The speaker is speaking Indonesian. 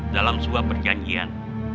dalam sebuah perjanjian